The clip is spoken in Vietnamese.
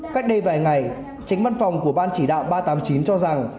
cách đây vài ngày chính văn phòng của ban chỉ đạo ba trăm tám mươi chín cho rằng